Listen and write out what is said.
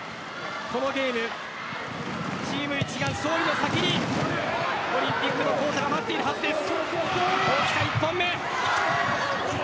このゲーム、チーム一丸勝利の先にオリンピックが待っているはずです。